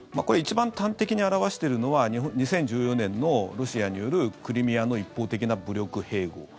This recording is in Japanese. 一番端的に表しているのは２０１４年のロシアによるクリミアの一方的な武力併合。